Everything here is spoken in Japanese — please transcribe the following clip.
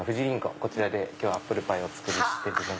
こちらで今日はアップルパイをお作りしてる。